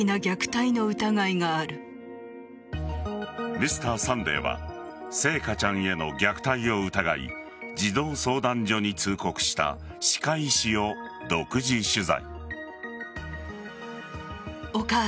Ｍｒ．サンデーは星華ちゃんへの虐待を疑い児童相談所に通告した歯科医師を独自取材。